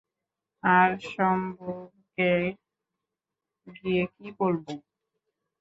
আর শম্ভুকে গিয়ে কী বলবো?